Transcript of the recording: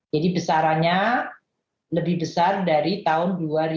jadi besarannya lebih besar dari tahun dua ribu dua puluh satu